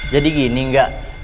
jadi gini gak